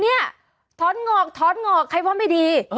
เนี่ยถอนงอกถอนงอกใครว่าไม่ดี